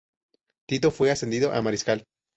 Tito fue ascendido a mariscal.